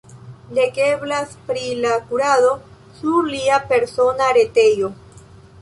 Legeblas pri la kurado sur lia persona retejo.